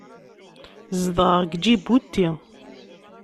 Zedɣeɣ deg Ǧibuti.